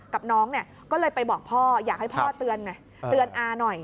กับน้องเนี่ยก็เลยไปบอกพ่ออยากให้พ่อเตือนไงเตือนอาหน่อย